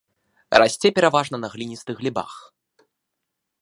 Расце пераважна на гліністых глебах.